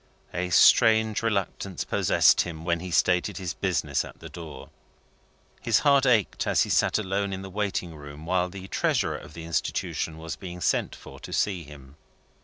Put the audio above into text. A strange reluctance possessed him, when he stated his business at the door. His heart ached as he sat alone in the waiting room while the Treasurer of the institution was being sent for to see him.